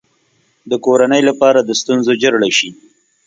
د کورنۍ لپاره د ستونزو جرړه شي.